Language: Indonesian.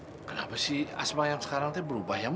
ibu kenapa si asma yang sekarang itu berubah ya